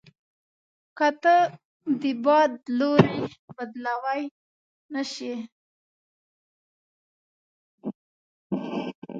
که ته د باد لوری بدلوای نه شې.